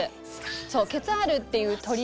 そうケツァールっていう鳥で。